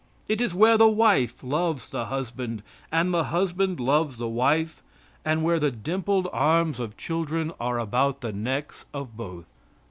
It is where the wife loves the husband, and the husband loves the wife, and where the dimpled arms of children are about the necks of both.